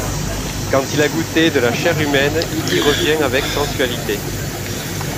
Quand il a goûté de la chair humaine, il y revient avec sensualité.